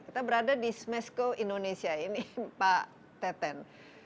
kita berada di smesko indonesia ini pak teten